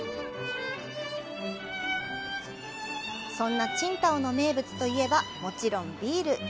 そんな青島の名物といえば、もちろんビール！